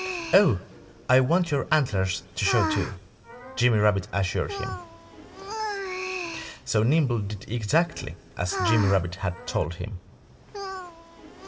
"Oh! I want your antlers to show too," Jimmy Rabbit assured him. So Nimble did exactly as Jimmy Rabbit had told him.